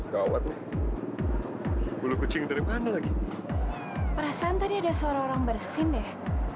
gawat bulu kucing dari mana lagi perasaan tadi ada seorang orang bersin deh